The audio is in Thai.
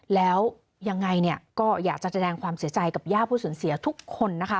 แล้วยังไงเนี่ยก็อยากจะแสดงความเสียใจกับย่าผู้สูญเสียทุกคนนะคะ